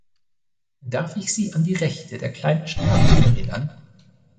Darf ich Sie an die Rechte der kleinen Staaten erinnern?